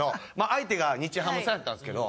相手が日ハムさんやったんですけど。